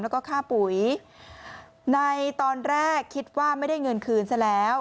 แล้วก็ค่าปุ๋ยในตอนแรกคิดว่าไม่ได้เงินคืนซะแล้ว